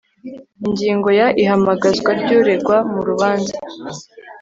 ingingo ya ihamagazwa ry uregwa murubanza